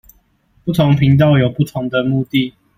不同頻道有不同的目的